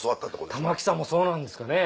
玉木さんもそうなんですかね。